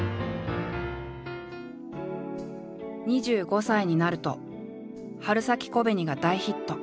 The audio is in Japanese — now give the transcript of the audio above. ２５歳になると「春咲小紅」が大ヒット。